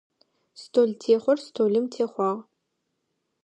Столтехъор столым техъуагъ.